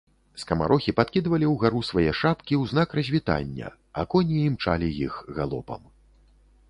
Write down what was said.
Скамарохі падкідвалі ўгару свае шапкі ў знак развітання, а коні імчалі іх галопам.